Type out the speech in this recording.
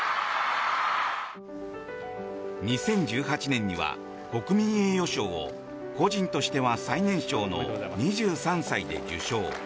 ２０１８年には国民栄誉賞を個人としては最年少の２３歳で受賞。